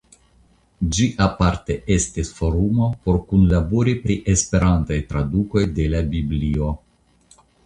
Ĝi aparte estis forumo por kunlabori pri Esperantaj tradukoj de la Biblio.